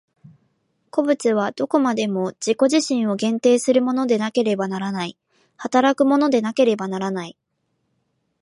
個物はどこまでも自己自身を限定するものでなければならない、働くものでなければならない。